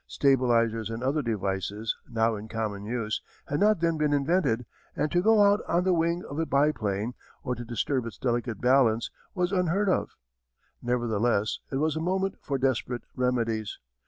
Stabilizers, and other devices, now in common use, had not then been invented and to go out on the wing of a biplane, or to disturb its delicate balance, was unheard of. Nevertheless it was a moment for desperate remedies.